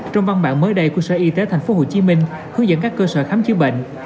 trong văn bản mới đây của sở y tế tp hcm hướng dẫn các cơ sở khám chữa bệnh